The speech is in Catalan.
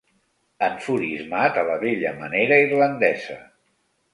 Enfurismat a la vella manera irlandesa.